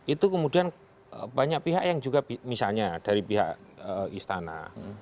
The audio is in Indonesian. itu kemudian banyak pihak yang juga misalnya dari pihak istana